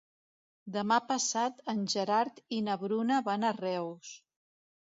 Demà passat en Gerard i na Bruna van a Reus.